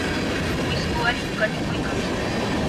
Wisku allqu kanikuykan.